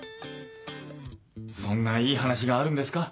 そんないい話があるんですか？